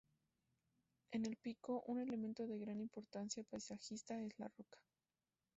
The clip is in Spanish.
En el pico, un elemento de gran importancia paisajista es la roca.